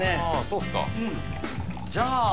そうすかじゃあ